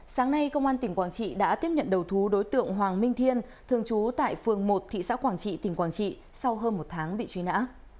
sáng nay công an tỉnh quảng trị đã tiếp nhận đầu thú đối tượng hoàng minh thiên thường trú tại phường một thị xã quảng trị tỉnh quảng trị sau hơn một tháng bị truy nã